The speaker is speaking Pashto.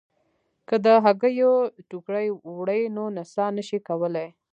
که د هګیو ټوکرۍ وړئ نو نڅا نه شئ کولای.